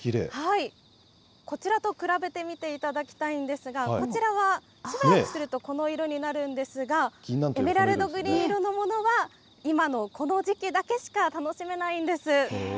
こちらと比べて見ていただきたいんですが、こちらはするとこの色になるんですが、エメラルドグリーン色のものは、今のこの時期だけしか楽しめないんです。